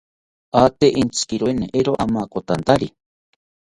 Ate entzikiroeni, eero amakotantari